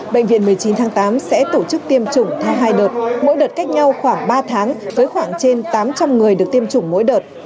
bệnh viện một mươi chín tháng tám sẽ tổ chức tiêm chủng theo hai đợt mỗi đợt cách nhau khoảng ba tháng với khoảng trên tám trăm linh người được tiêm chủng mỗi đợt